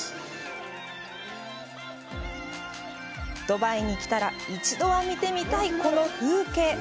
ドバイに来たら一度は見てみたいこの風景。